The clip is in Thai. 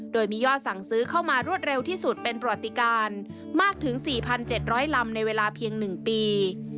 โดยมียอดสั่งซื้อเข้ามารวดเร็วที่สุดเป็นประวัติการมากถึง๔๗๐๐ลำในเวลาเพียง๑ปี